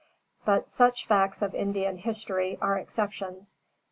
But such facts of Indian history are exceptions.